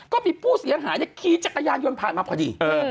ก็มีผู้เสียงหายะคีย์จักรยานย้อนพาดมาพอดี